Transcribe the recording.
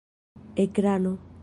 ekrano